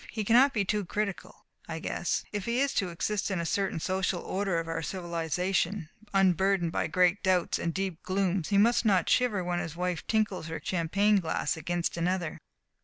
He cannot be too critical, I guess. If he is to exist in a certain social order of our civilization unburdened by great doubts and deep glooms he must not shiver when his wife tinkles her champagne glass against another.